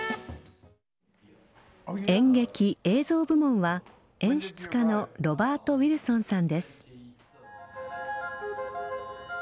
演劇・映像部門は演出家のロバート・ウィルソンさんです。